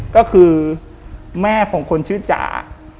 ก็คือแม่ของคนชื่อจ๋า